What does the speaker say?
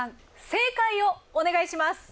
正解をお願いします！